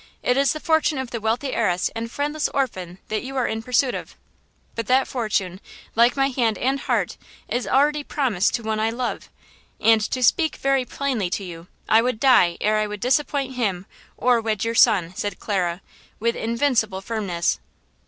It is the fortune of the wealthy heiress and friendless orphan that you are in pursuit of! But that fortune, like my hand and heart, is already promised to one I love; and, to speak very plainly to you, I would die ere I would disappoint him or wed your son," said Clara, with invincible firmness.